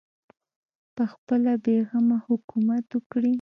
پخپله بې غمه حکومت وکړي